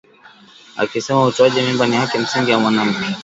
akisema utoaji mimba ni haki msingi ya mwanamke